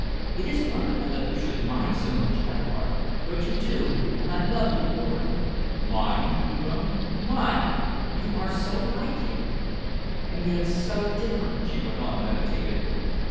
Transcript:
It is wonderful that you should mind so much, Everard, but you do, and I love you for it." "Mind?" he groaned. "Mind!" "You are so like him and yet so different," she went on meditatively.